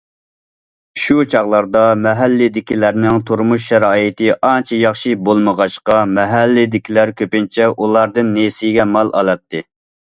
شۇ چاغلاردا مەھەللىدىكىلەرنىڭ تۇرمۇش شارائىتى ئانچە ياخشى بولمىغاچقا، مەھەللىدىكىلەر كۆپىنچە ئۇلاردىن نېسىگە مال ئالاتتى.